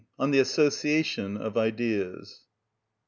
On The Association Of Ideas.